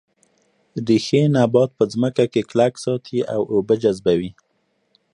ریښې نبات په ځمکه کې کلک ساتي او اوبه جذبوي